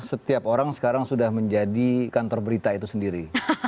setiap orang sekarang sudah menjadi kantor berita itu sendiri